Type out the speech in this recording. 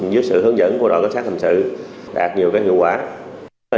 dưới sự hướng dẫn của đội cảnh sát thành sự đạt nhiều hiệu quả